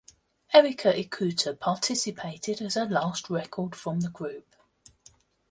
Erika Ikuta participated as her last record from the group.